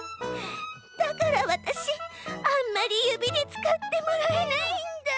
だからわたしあんまりゆびでつかってもらえないんだ！